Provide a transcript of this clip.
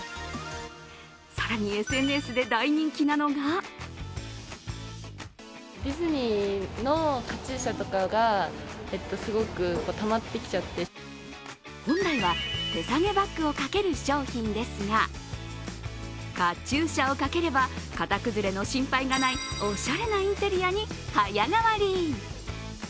更にＳＮＳで大人気なのが本来は手提げバッグをかける商品ですがカチューシャをかければ型崩れの心配がないおしゃれなインテリアに早変わり。